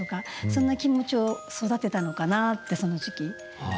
そんな気持ちを育てたのかなってその時期。